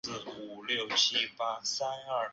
长子封隆之。